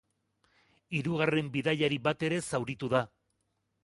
Hirugarren bidaiari bat ere zauritu da.